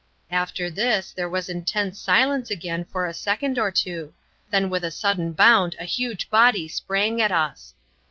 After this there was intense silence again for a second or two, then with a sudden bound a huge body sprang at us.